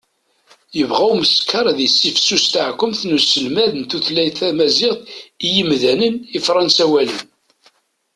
yebɣa umeskar ad yessifsus taɛekkumt n uselmed n tutlayt tamaziɣt i yimdanen ifransawalen